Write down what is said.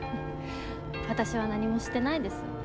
私は何もしてないです。